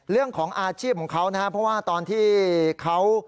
เรื่องของอาชีพของเขานะครับเพราะว่าตอนที่เขา